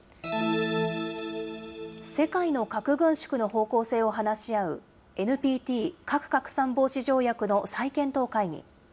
世界の核軍縮の方向性を話し合う、ＮＰＴ・核拡散防止条約の再検討会議。